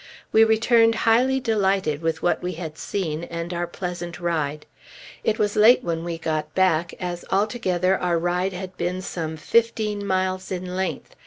We returned highly delighted with what we had seen and our pleasant ride. It was late when we got back, as altogether our ride had been some fifteen miles in length.